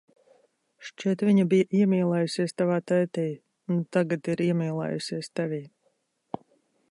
Šķiet, viņa bija iemīlējusies tavā tētī un tagad ir iemīlējusies tevī.